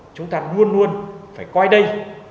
chúng ta luôn luôn phải coi đây